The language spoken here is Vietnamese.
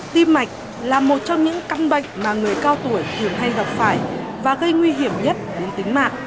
tim mạch là một trong những căn bệnh mà người cao tuổi thường hay gặp phải và gây nguy hiểm nhất đến tính mạng